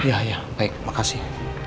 ya ya baik makasih